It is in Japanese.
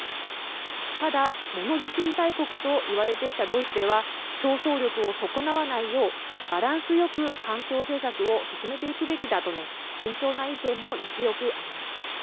ただ、ものづくり大国といわれてきたドイツでは競争力を損なわないようバランスよく環境政策を進めていくべきだとの慎重な意見も根強くあります。